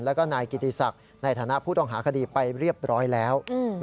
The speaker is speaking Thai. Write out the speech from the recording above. แล้วก็นายกิติศักดิ์ในฐานะผู้ต้องหาคดีไปเรียบร้อยแล้ว